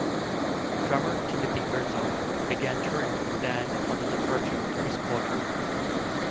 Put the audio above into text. Drummer Timothy Herzog began touring with the band upon the departure of Bruce Cawdron.